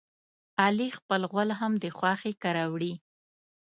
علي خپل غول هم د خواښې کره وړي.